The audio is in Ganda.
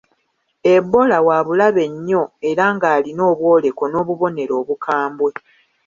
Ebola wa bulabe nnyo era ng'alina obwoleko n'obubonero obukambwe.